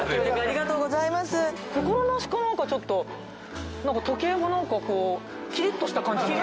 心なしかなんかちょっと時計もなんかこうキリッとした感じに見えるわね。